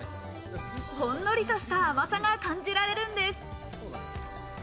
ほんのりとした甘さが感じられるんです。